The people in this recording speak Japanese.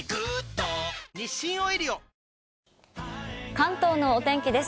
関東のお天気です。